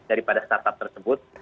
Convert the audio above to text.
daripada start up tersebut